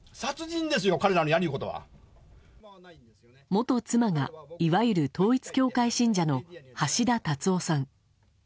元妻がいわゆる統一教会信者の橋田達夫さん。